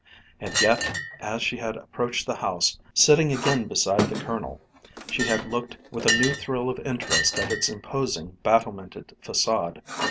And yet, as she had approached the house, sitting again beside the Colonel, she had looked with a new thrill of interest at its imposing battlemented façade.